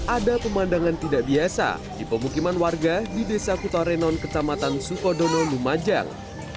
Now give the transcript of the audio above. ada pemandangan tidak biasa di pemukiman warga di desa kutarenon kecamatan sukodono lumajang